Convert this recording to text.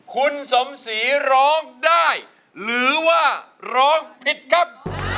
คุณสมศรีร้องได้หรือว่าร้องผิดครับ